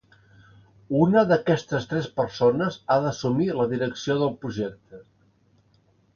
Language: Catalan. Una d'aquestes tres persones ha d'assumir la direcció del projecte.